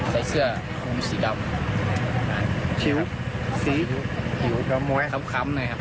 ใส่เสื้อมุมสีดำชิวสีหิวดำมวยคำคำหน่อยครับ